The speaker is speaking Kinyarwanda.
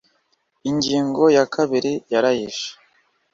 ingingo ya kabiri yarayishe